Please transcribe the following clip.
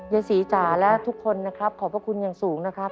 ยายศรีจ๋าและทุกคนนะครับขอบพระคุณอย่างสูงนะครับ